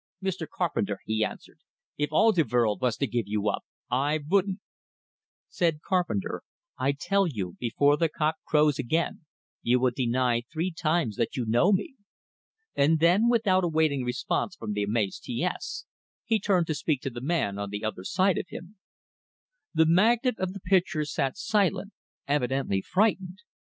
"Mr. Carpenter," he answered, "if all de vorld vas to give you up, I vouldn't!" Said Carpenter: "I tell you, before the cock crows again, you will deny three times that you know me." And then, without awaiting response from the amazed T S, he turned to speak to the man on the other side of him. The magnate of the pictures sat silent, evidently frightened.